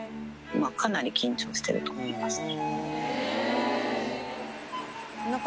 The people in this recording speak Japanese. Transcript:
かなり緊張していると思いますね。